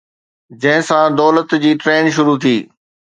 جنهن سان دولت جي ٽرين شروع ٿي